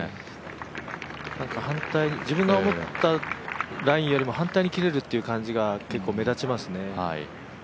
反対、自分が思ったラインよりも反対に切れるという感じが結構、目立ちますね。